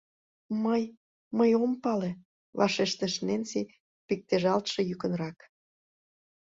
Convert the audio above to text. — Мый... мый ом пале, — вашештыш Ненси пиктежалтше йӱкынрак.